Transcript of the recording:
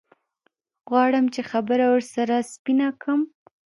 غواړم چې خبره ورسره سپينه کم.